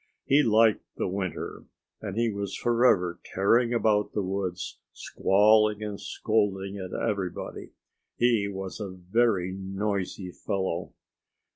He liked the winter and he was forever tearing about the woods, squalling and scolding at everybody. He was a very noisy fellow.